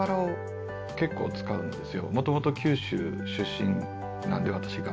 もともと九州出身なんで私が。